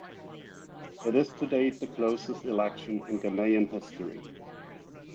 It is to date the closest election in Ghanaian history.